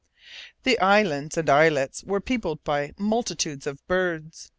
The islands and islets were peopled by multitudes of birds.